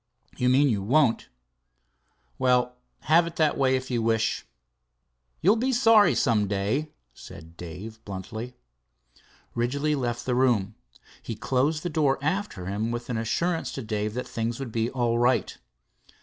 "You mean, you won't." "Well, have it that way if you wish." "You'll be sorry some day," said Dave, bluntly. Ridgely left the room. He closed the door after him with an assurance to Dave that things would be "all right."